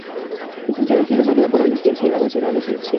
Licenciado en Filosofía por la Universidad Nacional de Asunción.